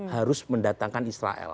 harus mendatangkan israel